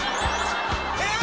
えっ？